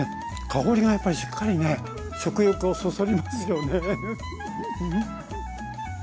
香りがやっぱりしっかりね食欲をそそりますよね。